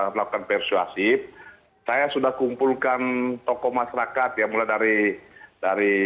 melakukan persuasif saya sudah kumpulkan tokoh masyarakat ya mulai dari dari